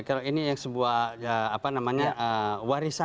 kalau ini yang sebuah apa namanya warisan